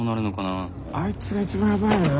あいつが一番ヤバイよな。